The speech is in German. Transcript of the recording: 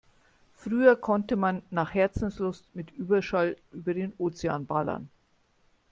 Früher konnte man nach Herzenslust mit Überschall über den Ozean ballern.